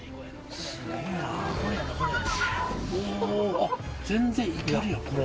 あっ全然いけるやんこれ。